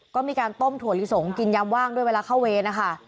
ก็มีการต้มถั่วลิสงกินยามว่างด้วยเวลาเข้าเวรนะคะ